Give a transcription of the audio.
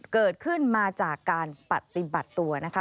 เกิดขึ้นมาจากการปฏิบัติตัวนะคะ